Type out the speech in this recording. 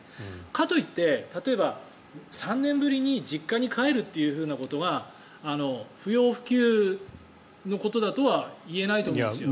かといって、例えば３年ぶりに実家に帰るということが不要不急のことだとは言えないと思うんですよ。